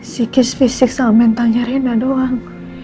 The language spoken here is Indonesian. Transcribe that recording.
si kisah fisik sama mentalnya rena doang